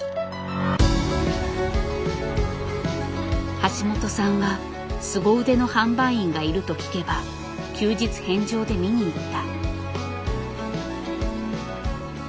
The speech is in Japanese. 橋本さんはすご腕の販売員がいると聞けば休日返上で見に行った。